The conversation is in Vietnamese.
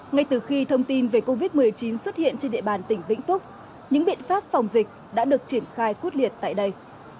ngay từ khi thông tin về covid một mươi chín xuất hiện trên địa bàn tỉnh vĩnh phúc những biện pháp phòng dịch đã được triển khai quốc liệt tại đây